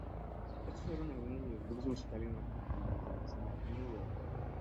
Estos fueron algunos de los grupos musicales más populares de la escena new wave.